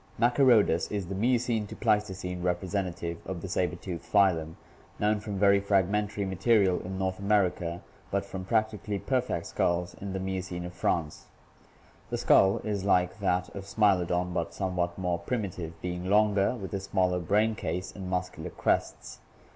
Macfazrodus (Fig. 184, D) is the Miocene to Pleistocene represent ative of the saber tooth phylum, known from very fragmentary material in North America, but from practically perfect skulls in the Miocene of France. The skull is like that of Smilodon, but somewhat more primitive, being longer, with a smaller brain case and muscular crests.